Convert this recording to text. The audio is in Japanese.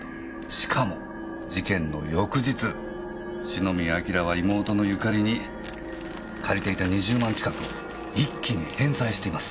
しかも事件の翌日篠宮彬は妹のゆかりに借りていた２０万近くを一気に返済しています。